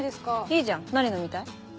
いいじゃん何飲みたい？